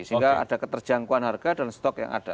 sehingga ada keterjangkauan harga dan stok yang ada